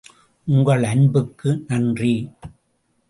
உங்கள் அன்புக்கு நன்றி.